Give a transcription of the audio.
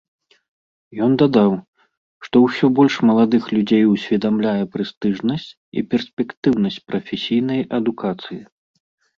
Ён дадаў, што ўсё больш маладых людзей усведамляе прэстыжнасць і перспектыўнасць прафесійнай адукацыі.